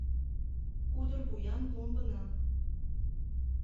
Кудыр вуян ломбына